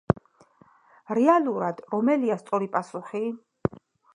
რეალურად რომელია სწორი პასუხი?